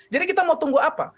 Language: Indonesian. jadi kita mau tunggu apa